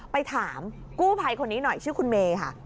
ไปถามกู้ภัยคนนี้หน่อยชื่อคุณเมย์ค่ะ